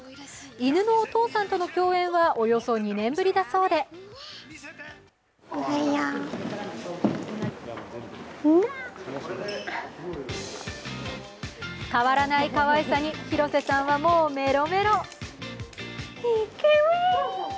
犬のお父さんとの共演はおよそ２年ぶりだそうで変わらないかわいさに、広瀬さんはもうメロメロ。